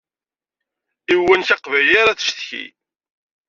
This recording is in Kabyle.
I uwanek aqbayli ara tcetki.